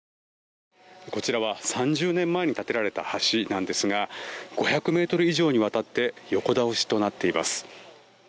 こちらは３０年前に建てられた橋なんですが５００ｍ以上にわたって横倒しとなっています。